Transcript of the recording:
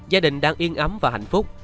gia đình đang yên ấm và hạnh phúc